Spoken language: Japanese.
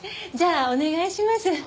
じゃあお願いします。